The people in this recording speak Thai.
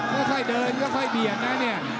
ค่อยเดินค่อยเบียดนะเนี่ย